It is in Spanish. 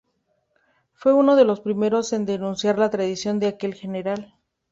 Fue uno de los primeros en denunciar la traición de aquel general.